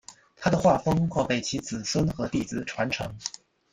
他的画风后被其子孙和弟子传承。